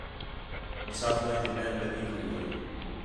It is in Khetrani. مُسافریں تی لین لڳی کھڑی ہے